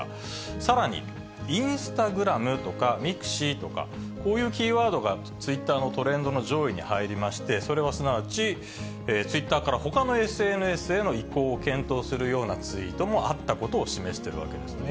さらに、インスタグラムとかミクシィとか、こういうキーワードがツイッターのトレンドの上位に入りまして、それはすなわちツイッターからほかのＳＮＳへの移行を検討するようなツイートもあったことを示しているわけですね。